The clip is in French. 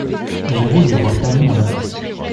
J’avoue y avoir perdu mon latin.